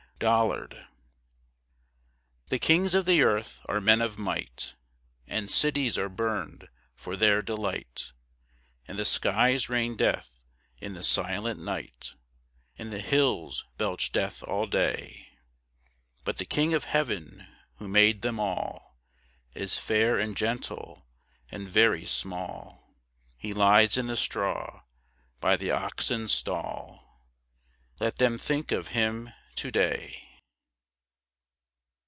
Dollard) The Kings of the earth are men of might, And cities are burned for their delight, And the skies rain death in the silent night, And the hills belch death all day! But the King of Heaven, Who made them all, Is fair and gentle, and very small; He lies in the straw, by the oxen's stall Let them think of Him to day!